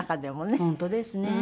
本当ですね。